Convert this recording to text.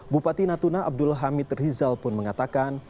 bupati natuna abdul hamid rizal pun mengatakan